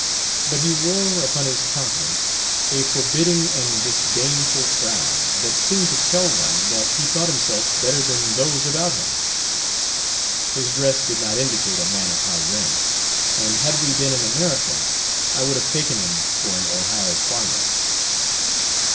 But he wore upon his countenance a forbidding and disdainful frown, that seemed to tell one that he thought himself better than those about him. His dress did not indicate a man of high rank; and had we been in America, I would have taken him for an Ohio farmer.